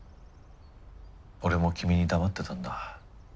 俺も君に黙ってたんだ。